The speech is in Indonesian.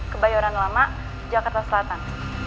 kebayoran lama jakarta selatan